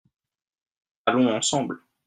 allons ensemble.